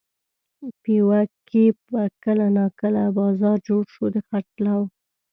پېوه کې به کله ناکله بازار جوړ شو د خرڅلاو.